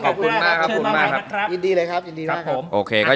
ขอบคุณมากครับ